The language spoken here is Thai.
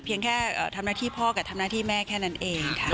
แค่ทำหน้าที่พ่อกับทำหน้าที่แม่แค่นั้นเองค่ะ